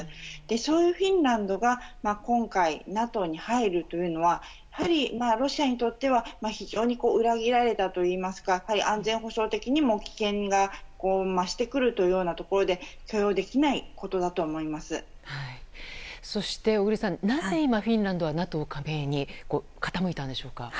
そういうフィンランドが今回、ＮＡＴＯに入るというのはやはりロシアにとっては非常に裏切られたといいますか安全保障的にも危険が増してくるということで小栗さん、なぜフィンランドはＮＡＴＯ加盟に傾いたんでしょうか？